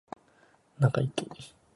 中イキ